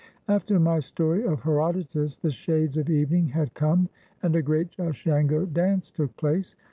After my story of Herodotus the shades of evening had come, and a great Ashango dance took place.